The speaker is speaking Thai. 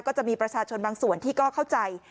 ก็จะมีประชาชนบางส่วนที่ก็เข้าใจ